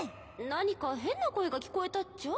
何か変な声が聞こえたっちゃ。